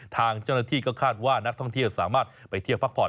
ทางเจ้าหน้าที่ก็คาดว่านักท่องเที่ยวสามารถไปเที่ยวพักผ่อน